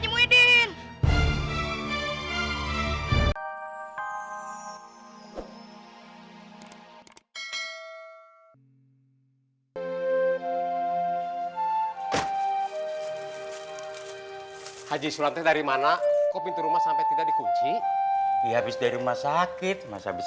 hai haji sulante dari mana kok pintu rumah sampai tidak dikunci habis dari rumah sakit masa habis